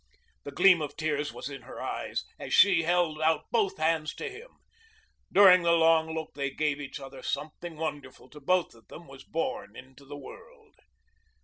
The gleam of tears was in her eyes as she held out both hands to him. During the long look they gave each other something wonderful to both of them was born into the world.